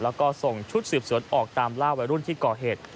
แล้วก็ส่งชุดสืบสวนออกตามล่าวัยรุ่นที่ก่อเหตุ